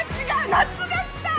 夏が来た！